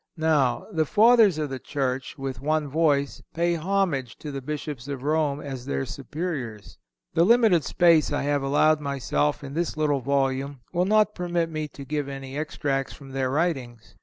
Now, the Fathers of the Church, with one voice, pay homage to the Bishops of Rome as their superiors. The limited space I have allowed myself in this little volume will not permit me to give any extracts from their writings.